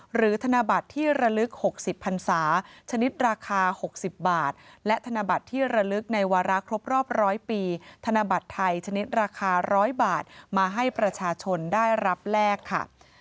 ธนบัตรที่ระลึก๖๐พันศาชนิดราคา๖๐บาทและธนบัตรที่ระลึกในวาระครบรอบ๑๐๐ปีธนบัตรไทยชนิดราคา๑๐๐บาทมาให้ประชาชนได้รับแลกค่ะ